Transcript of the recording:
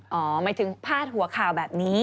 หมายถึงพาดหัวข่าวแบบนี้